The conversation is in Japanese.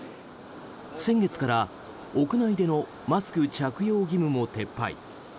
先月から屋内でのマスク着用義務も撤廃。